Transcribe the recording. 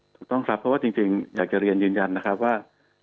ถูกต้องครับเพราะว่าจริงอยากจะเรียนยืนยันนะครับว่า